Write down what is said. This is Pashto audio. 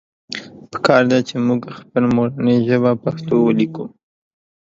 پکار ده چې مونږ خپله مورنۍ ژبه پښتو وليکو